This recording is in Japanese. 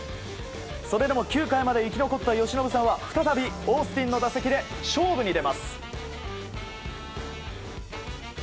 それでも９回まで生き残った由伸さんは再びオースティンの打席で勝負に出ます。